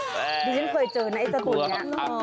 ดิฉันเคยเจอนะไอ้สตุลเนี่ย